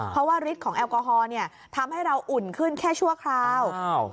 เพราะว่าฤทธิ์ของแอลกอฮอลเนี่ยทำให้เราอุ่นขึ้นแค่ชั่วคราว